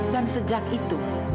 dan sejak itu